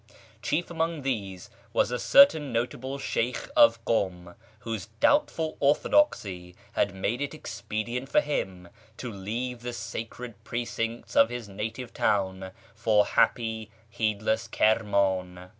Chief amongst these was a certain notable Sheykh of Kum, whose doubtful orthodoxy had made it expedient for him to leave the sacred precincts of his native town for happy, heedless Kirman.